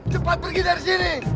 cepat pergi dari sini